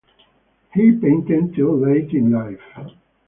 He painted till late in life.